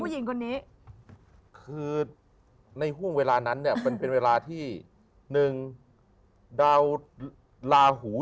ผู้หญิงคนนี้คือในห่วงเวลานั้นเนี่ยมันเป็นเวลาที่หนึ่งดาวลาหู